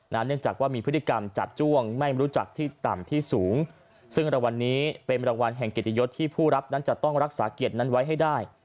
นั่นจะต้องรักษาเกียรติเงางั้นไว้ให้ได้